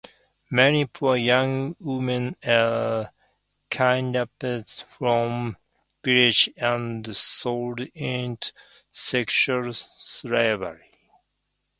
Many poor young women are kidnapped from villages and sold into sexual slavery.